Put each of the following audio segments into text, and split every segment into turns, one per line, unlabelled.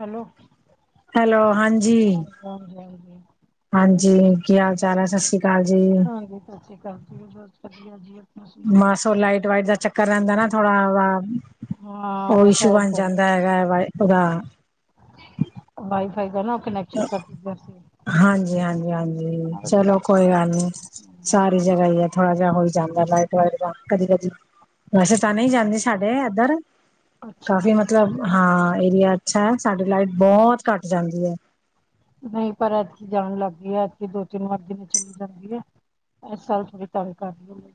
Hello?
Hello, ਹਾਂਜੀ।
ਹਾਂਜੀ, ਹਾਂਜੀ
ਹਾਂਜੀ, ਕੀ ਹਾਲ -ਚਾਲ ਹੈ? ਸਤਿ ਸ਼੍ਰੀ ਅਕਾਲ ਜੀ।
ਹਾਂਜੀ, ਸਤਿ ਸ੍ਰੀ ਅਕਾਲ ਜੀ, ਬਸ ਵਧੀਆ ਜੀ।
ਬਾੱਮ
ਸੁਣਾਓ
ਓ ਲਾਈਟ-ਵਾਈਟ ਦਾ ਚੱਕਰ ਰੈਂਦਾ ਨਾ ਥੋੜਾ ਵਾ
ਹਾਂ
ਓ
ਉਹ
ਇਸ਼ੂ ਬਾਨ
ਸ਼ਾਇਦ
ਜਾਂਦਾ ਹੈਗੈ ਵਾਏ ਉਦਾ।
ਵਾਈ-ਫਾਈ ਦਾ ਨਾ ਕਨੈਕਸ਼ਨ ਕਾੱਟ ਗੇਆ ਸੀ।
ਹਾਂਜੀ, ਹਾਂਜੀ, ਹਾਂਜੀ
ਤਾਂ ਉਹਦੇ
ਚਲੋ ਕੋਈ
ਕਰਕੇ
ਗਾੱਲ ਨੀ, ਸਾਰੀ ਜਗਾ ਈ ਏ ਥੋੜਾ ਜਾ ਹੋਈ ਜਾਂਦੈ ਲਾਈਟ, ਵਾਈਟ ਦਾ ਕਦੀ, ਕਦੀ ਵੈਸੇ ਤਾਂ ਨਈ ਜਾਂਦੀ ਸੀ। ਸਾਡੇ ਐਧੱਰ
ਅੱਛਾ
ਕਾਫੀ ਮਤਲਬ ਮਤਲਬ ਹਾਂ ਏਰੀਆ ਅੱਛੈ, ਸਾਡੀ ਲਾਈਟ ਬੋਤ ਘਾੱਟ ਜਾਂਦੀ ਏ।
ਨਹੀਂ ਪਰ ਐਦਕੀ ਜਾਨ ਲਾੱਗ ਗੀ ਏ, ਐਦਕੀ ਦੋ-ਤਿੰਨ ਵਾਰ ਦਿਨੇ ਚਲੀ ਜਾਂਦੀ ਏ। ਐਸ ਸਾਲ ਥੋੜੀ ਤਾੰਗ ਕਾਰ ਰੀ ਏ।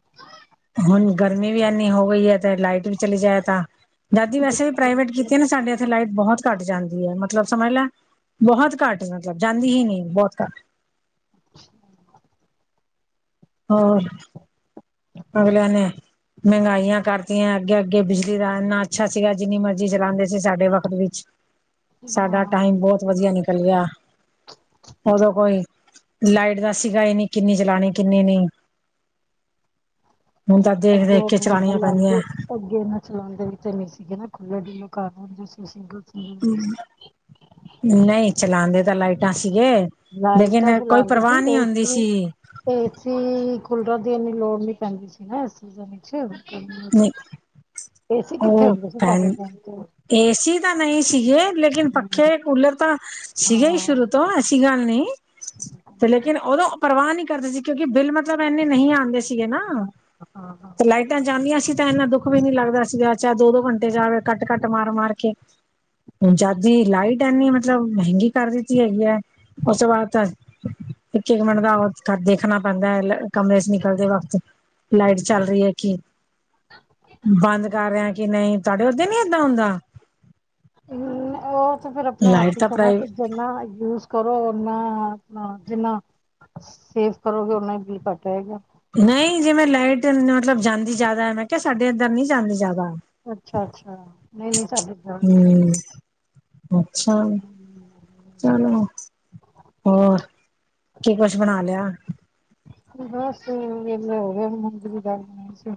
ਹੁਨ ਗਰਮੀ ਵੀ ਐਨੀ ਹੋ ਗਈ ਏ ਤੇ ਲਾਈਟ ਵੀ ਚਲੀ ਜਾਏ ਤਾਂ, ਦਾਦੀ
ਹੈ।
ਵੈਸੇ ਵੀ ਪ੍ਰਾਈਵੇਟ ਕੀ ਕੀਤੀ ਏ ਨਾ ਸਾਡੇ ਐਥੇ ਲਾਈਟ ਬੋਹੋਤ ਘਾੱਟ ਜਾਂਦੀ ਐ ਮਤਲਬ ਸਮਜ ਲੈ ਬੋਹੋਤ ਘਾੱਟ ਮਤਲਬ ਜਾਂਦੀ ਹੀ ਨੀ, ਬੋਤ ਘਾੱਟ।
[inaudible]
ਹੋਰ? ਅਗਲੇਆਂ ਨੇ ਮੈਹੰਗਾਈਆਂ ਕਰਤੀਆਂ ਅੱਗੇ, ਅੱਗੇ ਬਿਜਲੀ ਦਾ ਇੰਨਾ ਅੱਛਾ ਸੀਗਾ, ਜਿੰਨੀ ਮਰਜੀ ਚਲਾਂਦੇ ਸੀ ਸਾਡੇ ਵਕਤ ਵਿੱਚ। ਸਾਡਾ
ਹਾਂ
ਟਾਈਮ ਬੋਤ ਵਦੀਆ ਨਿਕਲ ਗੇਆ। ਓਦੋਂ ਕੋਈ ਲਾਈਟ ਦਾ ਸੀਗਾ ਈਨੀ ਕਿੰਨੀ ਚਲਾਣੀ, ਕਿੰਨੀ ਨੀ। ਤਾਂ ਦੇਖ
ਅੱਗੇ
ਦੇਖ ਕੇ
ਐਨੂੰ
ਚਲਾਣੀਆਂ ਪੈਂਦੀਆਂ
ਬੂਲਾਂਦੇ ਅੱਗੇ ਇਨਾਂ ਚਲਾਂਦੇ ਵੀ ਤੇ ਨੀ ਸੀਗੇ ਨਾ, ਖੁੱਲੇ ਡੂੱਲੇ ਘਾਰ ਹੂਂਦੇ ਸੀ। ਸਿੰਗਲ
ਨਹੀਂ ਚਲਾਂਦੇ ਤਾਂ ਲਾਈਟਾਂ ਸੀਗੇ
ਲਾਈਟਾਂ
ਲੇਕਿਨ ਕੋਈ
ਚਲਾਉਂਦੇ
ਪਰਵਾਅ
ਸੀ
ਨੀ ਹੋਂਦੀ
ਏਸੀ
ਸੀ।
ਏਸੀ, ਕੂਲਰਾਂ ਦੀ ਏਨੀ ਲੋੜ ਨੀ ਪੈਂਦੀ ਸੀ ਨਾ ਐਸ ਸੀਜਨ ਇਚ।
ਨਹੀਂ
ਏਸੀ ਕਿੱਥੇ
ਉਹ
ਹੁੰਦੇ ਸੀ ਸਾਡੇ
ਭੈਣ
ਟੈਮ ਤੇ।
ਏਸੀ ਤਾਂ ਨਹੀਂ ਸੀਗੇ ਲੇਕਿਨ
ਤੇ
ਪੱਖੇ, ਕੂਲਰ ਤਾਂ ਸੀਗੇ ਈ
ਹਾਂ
ਸ਼ੁਰੂ ਤੋਂ। ਸੀਗਾ ਨਹੀਂ ਤੇ ਲੇਕਿਨ ਓਦੋਂ ਪਰਵਾਅ ਨੀ ਕਰਦੇ ਸੀ ਕਿਉਂਕਿ ਬਿੱਲ ਮਤਲਬ ਐਨੇ ਨਹੀਂ ਆਂਦੇ ਸੀ। ਦੀ ਏਨਾ,
ਹਾਂ ਹਾਂ
ਤੇ ਲਾਈਟਾਂ ਜਾਂਦੀਆਂ ਸੀ ਤੇ ਐਨਾਂ ਦੁੱਖ ਵੀ ਨੀ ਲਾਗਦਾ ਸੀਗਾ, ਚਾਏ ਦੋ-ਦੋ ਘੰਟੇ ਜਾਵੇ ਕੱਟ-ਕੱਟ ਮਾਰ-ਮਾਰ ਕੇ। ਹੂੰ ਜੱਦ ਦੀ ਲਾਈਟ ਐਨੀ ਮਤਲਬ ਮੈਹੰਗੀ ਕਾਰ ਦਿੱਤੀ ਹੈਗੀ ਐ, ਓਸ ਤੋਂ ਬਾਦ ਤ ਇੱਕ, ਇੱਕ ਮਿੰਟ ਦਾ ਵਦ-ਕੱਟ ਦੇਖਨਾ ਪੈਂਦੈ, ਲੈ ਕਮਰੇ ਚ ਨਿਕਲਦੇ ਵਕਤ। ਲਾਈਟ ਚਾੱਲ ਰੀ ਏ ਕਿ
[inaudible]
ਬਾੰਦ ਕਾਰ ਰੇ ਆਂ ਕਿ ਨਹੀਂ, ਤੂਆਡੇ ਓਥੇ ਨੀ ਏਦਾਂ ਹੁੰਦਾ?
ਹੂੰ, ਓ ਤੇ ਫੇਰ ਅਪਨੇ
ਲਾਈਟ
ਹਾੱਥ ਇਚ
ਤਾਂ
ਥੋੜਨਾ ਐ
ਪ੍ਰਾਈ
ਕਿ ਜਿੰਨਾ ਯੂਜ਼ ਕਰੋ, ਓਨਾਂ ਨਾਂ ਜਿੰਨਾ ਸੇਫ਼ ਕਰੋਗੇ ਉਨਾਂ ਈ ਬਿੱਲ ਘਾੱਟ ਆਏਗਾ।
ਨਹੀਂ ਜਿਂਵੇ ਲਾਈਟ ਨ ਮਤਲਬ ਜਾਂਦੀ ਜਾਦੈ, ਮੈਂ ਕੇਆ ਸਾਡੇ ਐਧੱਰ ਨੀ ਜਾਂਦੀ ਜਾਦਾ।
ਅੱਛਾ, ਅੱਛਾ ਨਹੀਂ, ਨਹੀਂ ਸਾਡੇ ਜਾਂਦੀ ਏ।
ਹੂੰ ਅੱਛਾ। ਚਲੋ, ਹੋਰ ਕੀ ਕੁਛ ਬਨਾ ਲੇਆ?
ਬਾੱਸ ਵੇਲੇ ਹੋਗਏ, ਮੂਂਗੀ ਦੀ ਦਾਲ ਬਨਾਈ ਸੀ।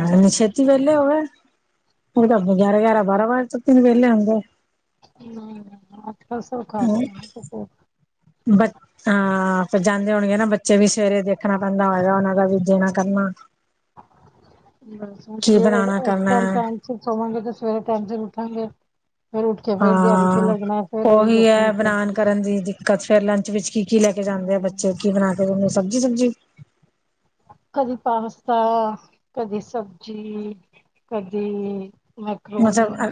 ਅੱਜ
ਛੇਤੀ ਵੇਲੇ ਹੋਗਏ ੳਜਤਾਂ ਅਪਨੇ ਗੇਆਰਾਂ, ਗੇਆਰਾਂ, ਬਾਰਾਂ ਵਾੱਜ ਜਾਤ ਏਨ ਵੇਲੇ ਹੋਂਦੇ।
ਹੂੰ, ਆਜ ਕਸਰ ਕਾਰ ਰੀ ਆਂ ਧੁਪੇ।
ਬਚ, ਹਾਂ, ਫੇਰ ਜਾਂਦੇ ਹੋਨਗੇ ਨਾ ਬੱਚੇ ਵੀ ਸਵੇਰੇ ਦੇਖਨਾ ਪੈਂਦਾ ਹੋਏਗਾ ਓਨਾਂ ਨੂੰ। ਦਾ ਵੀ ਦੇਣਾ ਕਰਨਾ, ਕੀ ਬਨਾਣਾ ਕਰਨਾ ਐ।
ਫਿਰ ਸੋਵਾਂਗੇ ਤੇ ਸਵੇਰੇ ਟੈਮ ਸਿਰ ਉਠੱਨਗੇ। ਫੇਰ ਉਠ ਕੇ ਫੇਰ ਦਿਆੜੀ ਤੇ
ਹਾਂ
ਲੱਗਨੈ, ਫੇਰ ਓਈ ਰੋਟੀ, ਸਬਜੀ।
ਕਚ ਫੇਰ ਲੰਚ ਵਿੱਚ ਕੀ, ਕੀ ਲੈ ਕੇ ਜਾਂਦੇ ਐ ਬੱਚੇ, ਕੀ ਬਨਾ ਕੇ ਦੇਂਦੇ ਓ ਸਬਜੀ-ਸੁਬਜੀ?
ਕਦੀ ਪਾਸਤਾ, ਕਦੀ ਸਬਜੀ, ਕਦੀ ਮੈਕਰੋਨੀ
ਮਤਲਬ ਅ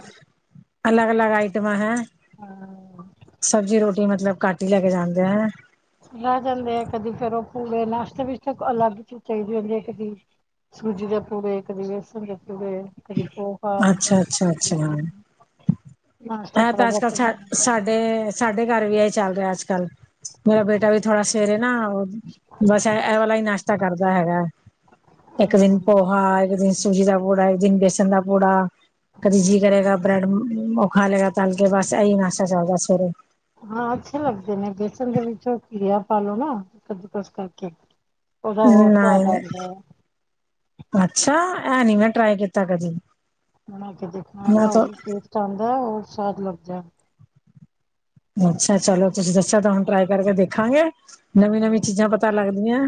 ਅਲਗ-ਅਲਗ ਆਈਟਮਾਂ, ਹੈਂ?
ਹਾਂ
ਸਬਜ਼ੀ, ਰੋਟੀ ਮਤਲਬ ਘੱਟ ਹੀ ਲੈ ਕੇ ਜਾਂਦੇ ਆ, ਹੈੰ
ਲੈ ਜਾਂਦੇ ਆ, ਕਦੀ ਗਰਮ ਪੂੜੇ, ਨਾਸ਼ਤੇ ਵਿੱਚ ਤੇ ਅਲੱਗ ਚੀਜ਼ ਚਾਹੀਦੀ ਹੁੰਦੀ ਹੈ ਕਦੀ। ਸੂਜੀ ਦੇ ਪੂੜੇ, ਕਦੇ ਵੇਸਣ ਦੇ ਪੂੜੇ ਕਦੀ ਪੋਹਾ
ਅੱਛਾ -ਅੱਛਾ, ਅੱਛਾ। ਹੈਂ,
ਨਾਸ਼ਤਾ
ਤਾਂ
ਥੋੜਾ
ਅੱਜ
ਜਿਹਾ
-ਕੱਲ੍ਹ ਤਾਂ
ਕਰਨਾ ਹੁੰਦਾ
ਸਾਡੇ ਸਾਡੇ ਘਰ ਵੀ, ਇਹੀ ਚੱਲ ਰਿਹਾ ਅੱਜ -ਕੱਲ, ਮੇਰਾ ਬੇਟਾ ਵੀ ਥੋੜ੍ਹਾ ਸਵੇਰੇ ਨਾ ਬਸ ਇਹ ਵਾਲਾ ਹੀ, ਨਾਸ਼ਤਾ ਕਰਦਾ ਹੈਗਾ। ਇੱਕ ਦਿਨ
ਹਾਂ
ਪੋਹਾ, ਇੱਕ ਦਿਨ ਸੂਜੀ ਦਾ ਪੂੜਾ, ਇੱਕ ਦਿਨ ਵੇਸਣ ਦਾ ਪੂੜਾ। ਕਦੇ ਜੀਅ ਕਰੇਗਾ, ਬ੍ਰੈਡ ਉਹ ਖਾ ਲੇਗਾ, ਤਲ ਕੇ ਬਸ ਇਹੀ ਨਾਸ਼ਤਾ ਚੱਲਦਾ ਸਵੇਰੇ।
ਹਾਂ, ਅੱਛੇ ਲੱਗਦੇ ਨੇ, ਵੇਸਨ ਦੇ ਵਿੱਚ, ਘੀਆ ਪਾ ਲਉ ਨਾ ਕੱਦੂਕਸ ਕਰਕੇ। ਉਹਦਾ, ਹੋਰ ਸਵਾਦ
ਨਹੀਂ
ਆਉਂਦਾ ਹੈ।
ਅੱਛਾ ਐ ਨੀ, ਮੈਂ ਟਰਾਈ ਕੀਤਾ ਕਦੀ।
ਬਣਾ ਕੇ ਦੇਖਣਾ, ਤਾਂ ਬਹੁਤ ਟੈਸਟ ਆਉਂਦਾ, ਹੋਰ ਸਵਾਦ ਲੱਗਦਾ।
ਅੱਛਾ ਚਲੋ ਤੁਸੀਂ ਦੱਸਿਆ, ਤਾਂ ਹੁਣ ਟਰਾਈ ਕਰਕੇ ਦੇਖਾਂਗੇ। ਨਵੀਂ -ਨਵੀਂ ਚੀਜ਼ਾਂ, ਪਤਾ ਲੱਗਦੀਆਂ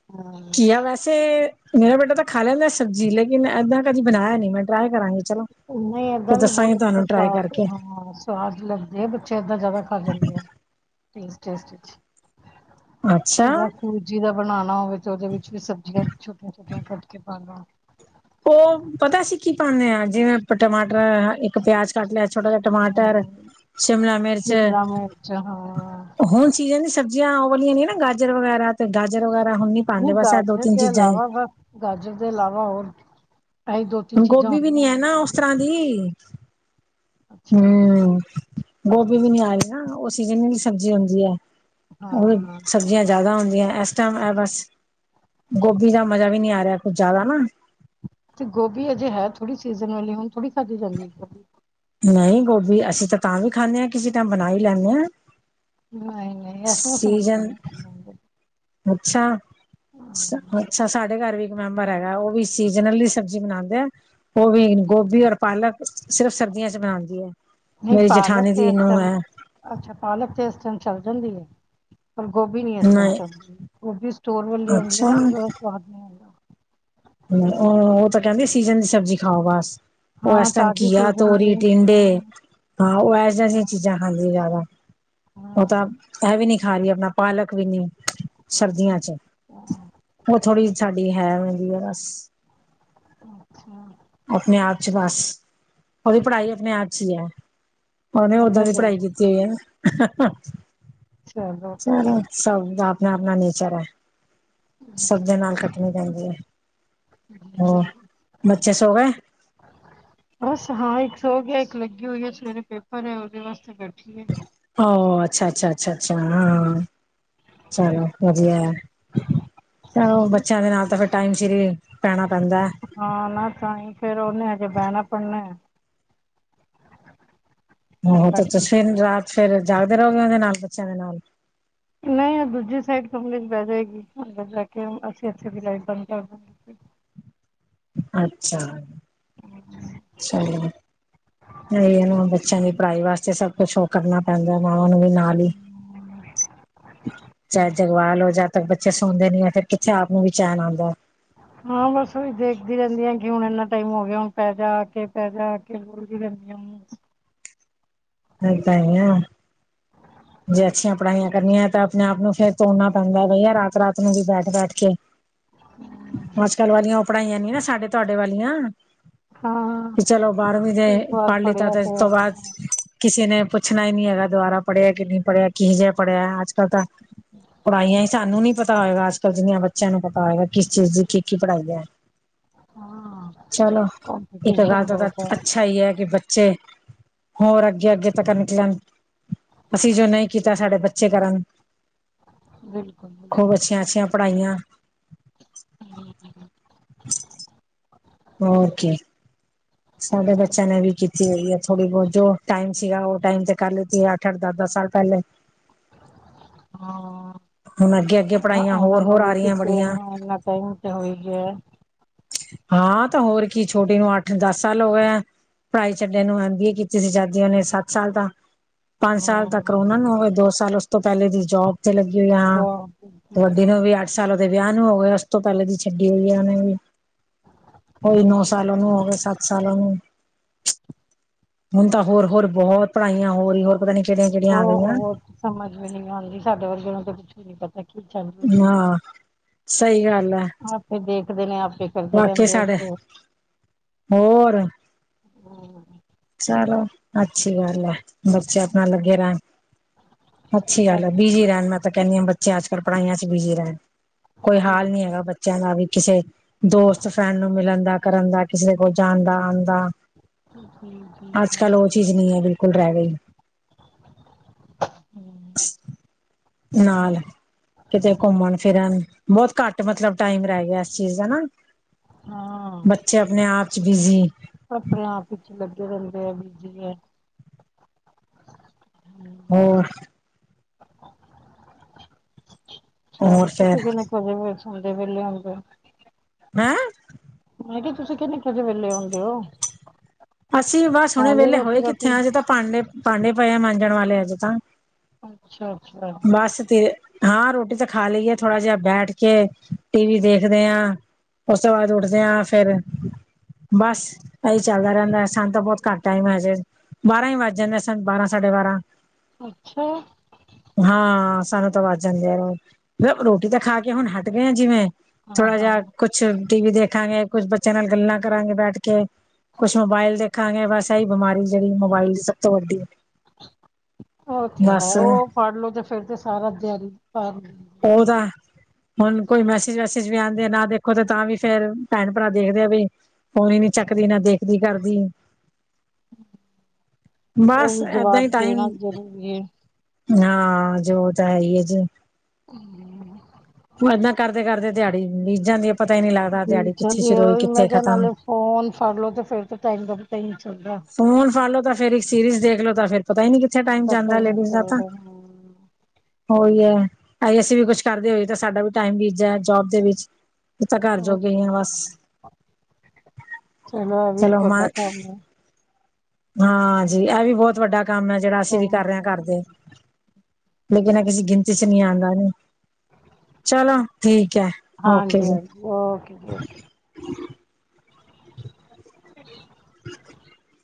ਹਾਂ
ਘੀਆ ਵੈਸੇ ਵੈਸੇ ਮੇਰਾ ਬੇਟਾ, ਤਾਂ ਖਾ ਲੈਂਦਾ ਸਬਜ਼ੀ ਲੇਕਿਨ ਏਦਾਂ ਕਦੀ ਬਣਾਇਆ ਨੀ, ਮੈਂ ਟਰਾਈ ਕਰਾਂਗੀ। ਚਲੋ
ਨਹੀਂ,
ਫਿਰ
ਏਦਾਂ ਵੀ ਬਹੁਤ
ਦੱਸਾਂਗੀ
ਅੱਛਾ
ਤੁਹਾਨੂੰ ਟਰਾਈ
ਸਵਾਦ,
ਕਰਕੇ
ਹਾਂ। ਸੁਆਦ ਲੱਗਦੇ ਆ, ਬੱਚੇ ਏਦਾਂ ਜ਼ਿਆਦਾ ਖਾ ਜਾਂਦੇ ਆ, ਟੇਸਟ -ਟੇਸਟ ਚ।
ਅੱਛਾ
ਜਾ ਸੂਜੀ ਦਾ ਬਣਾ ਲਾਂ, ਵਿੱਚ, ਉਹਦੇ ਵਿੱਚ ਵੀ ਸਬਜ਼ੀਆਂ ਛੋਟੀਆਂ- ਛੋਟੀਆਂ ਕੱਟ ਕੇ ਪਾ ਲਾਂ
ਉਹ ਪਤਾ, ਅਸੀ ਕੀ ਪਾਉਂਦੇ ਹਾਂ, ਜਿਵੇਂ ਆਪਾਂ ਟਮਾਟਰ ਇੱਕ ਪਿਆਜ ਕੱਟ ਲਿਆ ਛੋਟਾ ਜਿਹਾ ਟਮਾਟਰ
ਹਮ
ਸ਼ਿਮਲਾ ਮਿਰਚ
ਸ਼ਿਮਲਾ ਮਿਰਚ ਹਾਂ
ਹੁਣ ਸੀਜ਼ਨ ਦੀ ਸਬਜ਼ੀਆਂ, ਉਹ ਵਾਲੀਆਂ ਨੇ, ਨਾ ਗਾਜਰ ਵਗੈਰਾ, ਤੇ ਗਾਜਰ ਵਗੈਰਾ ਹੁੰਦੀ।
ਨਹੀਂ, ਗਾਜਰ ਦੇ ਇਲਾਵਾ, ਬਸ ਗਾਜਰ ਦੇ ਇਲਾਵਾ ਹੋਰ? ਇਹੀ ਦੋ ਤਿੰਨ
ਹੁਣ
ਚੀਜ਼ਾਂ
ਗੋਭੀ ਵੀ ਨੀ,
ਹੁੰਦੀਆਂ
ਹੈ
ਨੇ
ਨਾ
ਪਾ
ਉਸ
ਲਓ
ਤਰ੍ਹਾਂ ਦੀ।
ਅੱਛਾ।
ਹਮ ਗੋਭੀ ਵੀ ਨੀ, ਆ ਰਹੀ ਨਾ, ਉਹ ਸੀਜ਼ਨ ਦੀ ਸਬਜ਼ੀ ਹੁੰਦੀ ਹੈ, ਉਹ
ਹਾਂ
ਸਬਜ਼ੀਆਂ ਜ਼ਿਆਦਾ ਹੁੰਦੀਆਂ ਇਸ ਟਾਈਮ, ਇਹ ਬਸ ਗੋਭੀ ਦਾ ਮਜ਼ਾ ਵੀ ਨਹੀਂ ਆ ਰਿਹਾ, ਕੁੱਝ ਜ਼ਿਆਦਾ ਨਾ
ਤੇ, ਗੋਭੀ ਅਜੇ ਹੈ ਥੋੜੀ ਸੀਜ਼ਨ ਵਾਲੀ, ਹੁਣ ਥੋੜੀ ਖਾਧੀ ਜਾਂਦੀ ਹੈ, ਗੋਭੀ
ਨਹੀਂ, ਗੋਭੀ ਅਸੀਂ ਤਾਂ, ਤਾਂ ਵੀ ਖਾਂਦੇ ਹਾਂ, ਕਿਸੇ ਟਾਈਮ ਬਣਾ ਹੀ ਲੈਂਦੇ ਹਾਂ।
ਨਹੀਂ- ਨਹੀਂ,
ਸੀਜਨ
[unintelligible]
ਅੱਛਾ, ਅੱਛਾ ਸਾਡੇ ਘਰ ਵੀ ਮੈਂਬਰ ਹੈਗਾ, ਉਹ ਵੀ ਸੀਜਨਲੀ ਸਬਜ਼ੀ ਬਣਾਉਂਦੇ ਆ, ਉਹ ਵੀ ਗੋਭੀ, ਔਰ ਪਾਲਕ, ਸਿਰਫ ਸਰਦੀਆਂ ਚ ਬਣਾਉਂਦੀ ਹੈ,
ਨਹੀਂ
ਮੇਰੀ
ਪਾਲਕ
ਜਠਾਨੀ
ਤੇ
ਦੀ
ਇਸ
ਨੂੰਹ
ਟਾਈਮ
ਹੈ।
ਅੱਛਾ, ਪਾਲਕ ਤੇ ਇਸ ਟਾਈਮ ਚੱਲ ਜਾਂਦੀ ਹੈ। ਪਰ, ਗੋਭੀ ਨੀ, ਇਸ ਟਾਈਮ
ਨਹੀਂ
ਚੱਲਦੀ, ਗੋਭੀ ਸਟੋਰ ਵਾਲੀ ਹੁੰਂਦੀ ਹੈ ਨਾ,
ਅੱਛਾ
ਫਿਰ ਉਹ ਸੁਆਦ
ਹੂੰ, ਉਹ ਤਾਂ ਕਹਿੰਦੇ, ਸੀਜ਼ਨ ਦੀ ਸਬਜ਼ੀ ਖਾਉ ਬਸ। ਓ
ਹਾਂ
ਐਸ ਟਾਈਮ
ਤਾਜ਼ੀ
ਘੀਆ
ਸੀਜ਼ਨ
ਤੋਰੀ
ਦੀ
ਟਿੰਡੇ
ਹਾਂ
ਹਾਂ ਏਸ ਤਰਾ ਦੀ
ਹਾਂ
ਚੀਜ਼ਾਂ ਖਾਂਦੀ ਜ਼ਾਦਾ। ਉਹ ਤਾਂ,
ਹਾਂ,
ਇਹ ਵੀ ਨੀ ਖਾ ਰਹੀ, ਆਪਣਾ ਪਾਲਕ ਵੀ ਨੀ। ਸਰਦੀਆਂ ਚ,
ਹਾਂ,
ਉਹ ਥੋੜ੍ਹੀ ਸਾਡੀ ਹੈ, ਐਂਵੇ ਦੀ ਆ।
ਅੱਛਾ।
ਆਪਣੇ ਆਪ ਚ ਬਸ, ਉਹਦੀ ਪੜ੍ਹਾਈ ਆਪਣੇ ਹੱਥ ਚ ਹੀ ਹੈ, ਉਹਨੇ ਓਦਾਂ
ਆਪਣੇ
ਦੀ
ਘਰ
ਪੜ੍ਹਾਈ ਕੀਤੀ। ਹੈ।
ਚਲੋ
ਚਲੋ, ਸਭ ਦਾ ਆਪਣਾ- ਆਪਣਾ ਨੇਚਰ ਹੈ। ਸਭ ਦੇ ਨਾਲ ਕੱਟਣੀ ਪੈਂਦੀ ਹੈ,
ਜੀ,
ਹੋਰ
ਜੀ।
ਬੱਚੇ ਸੌ ਗਏ?
ਬਸ, ਹਾਂ ਇੱਕ ਸੌ ਗਿਆ, ਇੱਕ ਲੱਗੀ ਹੋਈ ਹੈ, ਸਵੇਰੇ ਪੇਪਰ ਹੈ, ਉਹਦੇ ਵਾਸਤੇ ਬੈਠੀ ਹੈ।
ਓ, ਅੱਛਾ -ਅੱਛਾ, ਅੱਛਾ -ਅੱਛਾ, ਹਾਂ। ਚਲੋ, ਵਧੀਆ ਹੈ। ਹਾਂ, ਉਹ ਬੱਚਿਆਂ ਦੇ ਨਾਲ ਤਾਂ, ਫਿਰ ਟਾਈਮ ਸਿਰ ਹੀ ਪੈਣਾਂ ਪੈਂਦਾ ਹੈ।
ਹਾਂ, ਨਾ ਤਾਂ, ਫੇਰ ਉਹਨੇ ਹਜੇ ਬਹਿਣਾ ਪੜ੍ਹਨਾ। ਹੁਣ
ਆਹੋ, ਤੇ ਤੁਸੀ
ਬੈਠੀ ਸੀ।
ਫਿਰ ਰਾਤ ਫਿਰ ਜਾਗਦੇ ਰਹੋਗੇ? ਉਹਦੇ ਨਾਲ, ਬੱਚਿਆਂ ਦੇ ਨਾਲ।
ਨਹੀਂ ਦੂਜੀ ਸਾਈਡ ਕੰਪਨੀ ਚ ਬਹਿ ਜਾਏਗੀ ਅੰਦਰ ਜਾ ਕੇ ਅਸੀਂ ਇੱਥੇ ਦੀ ਲਾਈਟ ਬੰਦ ਕਰਦਾਗੇ।
ਅੱਛਾ, ਚਲੋ ਨਹੀਂ ਹੁਣ ਬੱਚਿਆਂ ਦੀ ਪੜ੍ਹਾਈ ਵਾਸਤੇ ਸਭ ਕੁਛ ਉਹ ਕਰਨਾ ਪੈਂਦਾ ਮਾਵਾਂ ਨੂੰ ਵੀ ਨਾਲ ਹੀ। ਚਾਹੇ ਜਗਵਾਲ ਹੋ ਜਾ ਤੇ ਤੱਕ ਬੱਚੇ ਸੌਦੇ ਨੀ ਐ ਫਿਰ ਕਿੱਥੇ ਆਪ ਨੂੰ ਵੀ ਚੈਨ ਆਂਦਾ।
ਹਾਂ, ਬਸ ਉਹੀ ਦੇਖਦੀ ਰਹਿੰਦੀ ਆ ਕਿ ਹੁਣ ਇਨਾ ਟਾਈਮ ਹੋ ਗਿਆ ਹੁਣ ਪੈ ਜਾ ਕੇ ਪੈ ਜਾ ਵੀ ਕਰਨ
ਇਹ ਤਾਂ ਹੈ ਆ। ਜੇ ਅੱਛੀਆਂ ਪੜ੍ਹਾਈਆਂ ਕਰਨੀਆਂ ਤਾਂ ਆਪਣੇ ਆਪ ਨੂੰ ਫੇਰ ਤੋੜਨਾ ਪੈਂਦਾ ਬਈ ਰਾਤ-ਰਾਤ ਨੂੰ ਵੀ ਬੈਠ-ਬੈਠ ਕੇ। ਅੱਜ ਕੱਲ ਵਾਲੀਆਂ ਉਹ ਪੜ੍ਹਾਈਆਂ ਨੀ ਨਾ ਸਾਡੇ ਤੁਹਾਡੇ ਵਾਲੀਆਂ।
ਹਾਂ
ਵੀ ਚਲੋ ਬਾਰਵੀਂ ਤੇ
ਇਸ ਵਾਰ
ਪੜ੍ਹ ਲੀ ਤੇ
ਪੜ੍ਹਿਆ
ਇਸ ਤੋਂ ਬਾਅਦ ਕਿਸੇ ਨੇ ਪੁੱਛਣਾ ਹੀ ਨੀ ਹੈਗਾ ਦੁਬਾਰਾ ਪੜ੍ਹਿਆ ਕਿ ਨਹੀਂ ਪੜ੍ਹਿਆ ਕਿਹੋ ਜਾ ਪੜ੍ਹਿਆ ਅੱਜ ਕੱਲ ਤਾਂ ਪੜ੍ਹਾਈਆਂ ਸਾਨੂੰ ਨੀ ਪਤਾ ਹੋਏਗਾ ਅੱਜ ਕੱਲ ਜਿੰਨੀਆਂ ਬੱਚਿਆਂ ਨੂੰ ਪਤਾ ਹੋਏਗਾ ਕਿਸ ਚੀਜ਼ ਦੀ ਕੀ ਕੀ ਪੜ੍ਹਾਈ ਐ।
ਹਾਂ
ਚਲੋ ਇੱਕ
ਕੰਪੀਟੀਸ਼ਨ
ਗੱਲ ਤਾਂ
ਬਹੁਤ
ਅੱਛਾ ਹੀ ਹੈ ਕਿ ਬੱਚੇ ਹੋਰ, ਅੱਗੇ ਅੱਗੇ ਤੱਕ ਨਿਕਲਣ ਅਸੀਂ ਜੋ ਨਹੀਂ ਕੀਤਾ ਸਾਡੇ ਬੱਚੇ ਕਰਨ।
ਬਿਲਕੁਲ
ਖੂਬ
ਬਿਲਕੁਲ
ਅੱਛੀਆਂ ਅੱਛੀਆਂ ਪੜ੍ਹਾਈਆਂ। [inaudible] ਓਕੇ, ਸਾਡੇ ਬੱਚਿਆਂ ਨੇ ਵੀ ਕੀਤੀ ਹੈਗੀ ਐ ਥੋੜੀ ਬਹੁਤ ਜੋ ਟਾਈਮ ਸੀਗਾ ਉਹ ਟਾਈਮ ਤੇ ਕਰ ਲੀਤੀ ਆ। ਅੱਠ ਅੱਠ ਦਸ ਦਸ ਸਾਲ ਪਹਿਲੇ
ਹਾਂ
ਹੁਣ ਅੱਗੇ ਅੱਗੇ
ਉਹ
ਪੜ੍ਹਾਈਆਂ
ਉਹਨਾਂ
ਹੋਰ ਹੋਰ
ਨੂੰ
ਆ
ਵੀ
ਰਹੀਆਂ
ਕਿਤੇ
ਬੜੀਆਂ।
ਹਾਂ ਇੰਨਾ ਟਾਈਮ ਤੇ ਹੋਏਗੀ ਓ।
ਹਾਂ, ਤਾਂ ਹੋਰ ਕੀ ਛੋਟੀ ਨੂੰ ਅੱਠ ਦਸ ਸਾਲ ਹੋ ਗਏ। ਪੜ੍ਹਾਈ ਛੱਡੇ ਨੂੰ ਐਮ ਬੀ ਏ ਕੀਤੀ ਸੀ ਜਦ ਉਹਨੇ ਸੱਤ ਸਾਲ ਤਾਂ ਪੰਜ ਸਾਲ ਤੱਕ
ਹਾਂ
ਕਰੌਨਾ ਨੂੰ ਹੋਗੇ ਦੋ ਸਾਲ ਉਸ ਤੋਂ ਪਹਿਲੇ ਦੀ ਜੋਬ ਚ ਲੱਗੀ ਹੋਈ ਆ
ਜੋ
ਤੇ ਵੱਡੀ ਨੂੰ ਵੀ ਅੱਠ ਸਾਲ ਉਹਦੇ ਵਿਆਹ ਨੂੰ ਹੋ ਗਏ ਉਸ ਤੋਂ ਪਹਿਲੇ ਦੀ ਛੱਡੀ ਹੋਈ ਐ ਉਹਨਾਂ ਵੀ। ਕੋਈ ਨੌ ਸਾਲੋ ਉਹਨੂੰ ਹੋ ਗਏ ਸੱਤ ਸਾਲ ਉਹਨੂੰ। ਹੁਣ ਤਾਂ ਹੋਰ ਹੋਰ ਬਹੁਤ ਪੜ੍ਹਾਈਆਂ ਹੋ ਰਹੀ ਹੋਰ ਪਤਾ ਨੀ ਕਿਹੜੀਆਂ ਕਿਹੜੀਆਂ ਆ ਗਈਆਂ
ਹੋਰ ਸਮਝ ਵੀ ਨੀ ਆਂਦੀ ਸਾਡੇ ਵਰਗੇ ਤਾਂ ਕੁੱਛ ਵੀ ਨੀ ਪਤਾ ਕੀ ਚੱਲ ਰਿਹਾ ਕੀ ਨਹੀਂ।
ਹਾਂ। ਸਹੀ ਗੱਲ ਹੈ
ਆਪੇ ਦੇਖਦੇ ਨੇ ਆਪੇ ਕਰਦੇ
ਵਾਕਈ
ਰਹਿੰਦੇ
ਸਾਡੇ ਹੋਰ,
ਹਾਂ,
ਚਲੋ ਅੱਛੀ ਗੱਲ ਐ ਬੱਚੇ ਆਪਣਾ ਲੱਗੇ ਰਹਿਣ ਅੱਛੀ
ਜੀ
ਗੱਲ ਐ ਬਿਜੀ ਰਹਿਣ ਮੈਂ ਤਾਂ ਕਹਿੰਦੀ ਹਾਂ ਬੱਚੇ ਅੱਜ ਕੱਲ ਪੜ੍ਹਾਈਆਂ ਚ ਬਿਜੀ ਰਹਿਣ। ਕੋਈ ਹਾਲ ਨੀ ਹੈਗਾ ਬੱਚਿਆਂ ਦਾ ਵੀ ਕਿਸੇ ਦੋਸਤ ਫਰੈਂਡ ਨੂੰ ਮਿਲਣ ਦਾ। ਕਰਨ ਦਾ ਕਿਸੇ ਕੋਲ ਜਾਂਣ ਦਾ ਆਣ ਦਾ।
ਹੂੰ,
ਅੱਜ ਕੱਲ ਉਹ ਚੀਜ਼ ਨਹੀਂ ਐ ਬਿਲਕੁਲ ਰਹਿ ਗਈ।
ਹੂੰ,
ਨਾਲ ਕਿਤੇ ਘੁੰਮਣ ਫਿਰਨ ਬਹੁਤ ਘੱਟ ਮਤਲਬ ਟਾਈਮ ਰਹਿ ਗਿਆ ਇਸ ਚੀਜ਼ ਦਾ ਨਾ ਬੱਚੇ ਆਪਣੇ ਆਪ ਚ ਬਿਜੀ
ਆਪਣਾ ਆਪ ਵਿਚ ਲੱਗੇ ਰਹਿੰਦੇ ਐ ਬੀਜੀ ਐ, ਹੂੰ।
ਹੋਰ
ਚਲੋ ਤੁਸੀਂ ਕਿਹਨੇ
ਹੋਰ ਫੇਰ
[unintelligible] ਵਿਹਲੇ ਹੁੰਦੇ।
ਮੈਂ,
ਮੈਂ ਕਿਹਾ ਤੁਸੀਂ ਕਿੰਨੇ ਕ ਵਜੇ ਵਿਹਲੇ ਹੁੰਦੇ ਓ।
ਅਸੀਂ ਬਸ ਹੁਣੇ ਵਹਲੇ ਹੋਏ ਕਿੱਥੇ ਆ ਅਜੇ ਤਾਂ ਭਾਂਡੇ ਭਾਂਡੇ ਪਏ ਆ ਮਾਂਜਣ ਵਾਲੇ ਅਜੇ ਤਾਂ।
ਅੱਛਾ ਅੱਛਾ,
ਬਸ ਤੇ ਹਾਂ ਰੋਟੀ ਤਾਂ ਖਾ ਲਈਏ ਥੋੜਾ ਜਿਹਾ ਬੈਠ ਕੇ ਟੀ ਵੀ ਦੇਖਦੇ ਆ। ਉਸ ਤੋਂ ਬਾਅਦ ਉੱਠਦੇ ਹਾਂ ਫੇਰ ਬਸ ਇਹੀ ਚੱਲਦਾ ਰਹਿੰਦਾ ਸਾਨੂੰ ਤਾਂ ਬਹੁਤ ਘੱਟ ਟਾਈਮ ਹਜੇ। ਬਾਰਾਂ ਹੀ ਵੱਜ ਜਾਂਦੇ ਸਾਨੂੰ ਬਾਰਾਂ ਸਾਢੇ ਬਾਰਾਂ।
ਅੱਛਾ,
ਹਾਂ, ਸਾਨੂੰ ਤਾਂ ਵੱਜ ਜਾਂਦੇ ਆ ਰੋਜ਼ ਰੋਟੀ ਤਾਂ ਖਾ ਕੇ ਹੁਣ ਹਟ ਗਏ ਆ ਜਿਵੇਂ
ਹਾਂ
ਥੋੜਾ
ਹਾਂ
ਜਿਹਾ ਕੁਛ ਟੀ ਵੀ ਦੇਖਾਂਗੇ ਕੁਛ ਬੱਚਿਆਂ ਨਾਲ ਗੱਲਾਂ ਕਰਾਂਗੇ ਬੈਠ ਕੇ। ਕੁਛ ਮੋਬਾਇਲ ਦੇਖਾਂਗੇ ਬਸ ਇਹੀ ਬਿਮਾਰੀ ਜਿਹੜੀ ਮੋਬਾਇਲ ਦੀ ਸਭ ਤੋਂ ਵੱਡੀ
ਉਹ ਤੇ ਹੈ
ਬਸ
ਉਹ ਫੜ ਲੋ ਤੇ ਫਿਰ ਤੇ ਸਾਰਾ ਦਿਨ
ਓਦੋਂ ਤਾਂ। ਹੁਣ ਕੋਈ ਮੈਸੇਜ ਵੈਸੇਜ ਵੀ ਆਂਦੇ ਆ ਨਾ ਦੇਖੋ ਤੇ ਤਾਂ ਵੀ ਫੇਰ ਭੈਣ ਭਰਾ ਦੇਖਦੇ ਆ ਵੀ ਫੋਨ ਨੀ ਚੱਕਦੀ ਨਾ ਦੇਖਦੀ ਕਰਦੀ।
ਉਹ
ਬਸ
ਵੀ
ਏਦਾਂ ਹੀ
ਜਵਾਬ
ਟਾਈਮ।
ਦੇਣਾ ਜ਼ਰੂਰੀ ਹੈ
ਹਾਂ ਜੋ ਤਾਂ ਹੈਈ ਆ ਜੀ।
ਹੂੰ,
ਏਦਾਂ ਕਰਦੇ ਕਰਦੇ ਦਿਹਾੜੀ ਬੀਜ ਜਾਂਦੀ ਐ ਪਤਾ ਹੀ ਨੀ ਲੱਗਦਾ
ਜੀ
ਦਿਹਾੜੀ ਕਿੱਥੇ
ਜਲਦੀ
ਸ਼ੁਰੂ ਹੋਈ
ਉਹੀ ਮੈਂ
ਕਿੱਥੇ
ਕਿਹਾ
ਖਤਮ।
ਨਾਲੇ ਫੋਨ ਫੜਲੋ ਤੇ ਫੇਰ ਤੇ ਟਾਈਮ ਦਾ ਪਤਾ ਹੀ ਨਹੀਂ ਚੱਲਦਾ।
ਫੋਨ ਫੜ ਲੋ ਤਾਂ ਫੇਰ ਇੱਕ ਸੀਰੀਜ਼ ਦੇਖ ਲੋ ਤਾਂ ਫੇਰ। ਪਤਾ ਹੀ ਨੀ ਕਿੱਥੇ ਟਾਈਮ
ਪਤਾ
ਜਾਂਦਾ
ਹੀ ਨਹੀਂ
ਲੇਡੀਜ਼ ਦਾ ਤਾਂ।
ਚੱਲਦਾ ਹਾਂ।
ਉਹੀ ਐ ਅੱਜ ਅਸੀ ਵੀ ਕੁਛ ਕਰਦੇ ਹੋਏ ਤਾਂ ਸਾਡਾ ਵੀ ਟਾਈਮ ਬੀਜ ਜਾਏ ਜੋਬ ਦੇ ਵਿੱਚ। ਅਸੀਂ ਤਾਂ ਘਰ
ਉਹ
ਜੋਗੇ
ਤੇ
ਆ ਬਸ
ਹੈ। ਇਹ ਵੀ
ਚਲੋ ਮੈਂ
ਤੁਹਾਡਾ ਕੰਮ ਹੈ।
ਹਾਂ ਜੀ ਇਹ ਵੀ ਬਹੁਤ ਵੱਡਾ ਕੰਮ ਐ ਜਿਹੜਾ ਅਸੀਂ ਵੀ ਕਰ ਰਹੇ ਹਾਂ ਘਰਦੇ। ਲੇਕਿਨ ਐਹ ਕਿਸੀ ਗਿਣਤੀ ਚ ਨੀ ਆਂਦਾ ਨਾ। ਚਲੋ ਠੀਕ ਐ ਓਕੇ
ਹਾਂਜੀ
ਜੀ।
ਹਾਂਜੀ ਓਕੇ ਜੀ ਓਕੇ।
[inaudible] [inaudible]